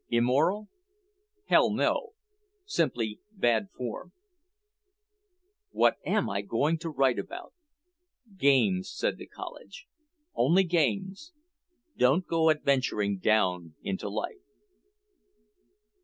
Immoral? Hell, no. Simply bad form. "What am I going to write about?" "Games," said the college. "Only games. Don't go adventuring down into life."